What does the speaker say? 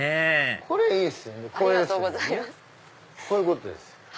こういうことです。